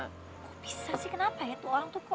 kok bisa sih kenapa ya tuh orang tuh